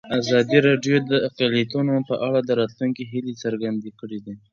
ازادي راډیو د اقلیتونه په اړه د راتلونکي هیلې څرګندې کړې.